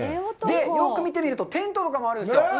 よく見てみると、テントとかもあるんですよ。